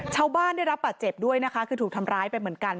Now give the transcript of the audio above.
ได้รับบาดเจ็บด้วยนะคะคือถูกทำร้ายไปเหมือนกัน